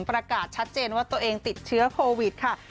ประกาศชัดเจนว่าตัวเองติดเชื้อโควิดค่ะ